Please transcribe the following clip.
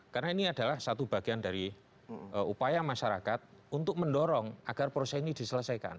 karena ini adalah satu bagian dari upaya masyarakat untuk mendorong agar proses ini diselesaikan